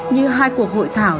như hai cuộc hội thảo